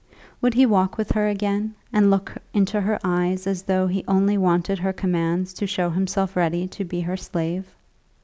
Would he walk with her again, and look into her eyes as though he only wanted her commands to show himself ready to be her slave?